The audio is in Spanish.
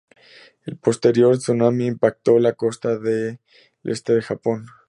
El posterior tsunami impactó la costa este de Japón.